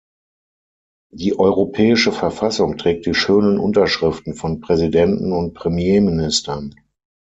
Die Europäische Verfassung trägt die schönen Unterschriften von Präsidenten und Premierministern.